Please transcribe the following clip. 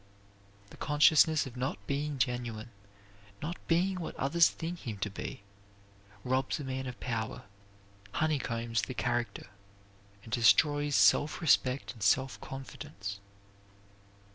The consciousness of not being genuine, not being what others think him to be, robs a man of power, honeycombs the character, and destroys self respect and self confidence.